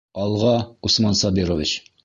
Алға, Усман Сабирович!